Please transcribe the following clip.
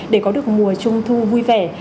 để có được mùa trung thu vui vẻ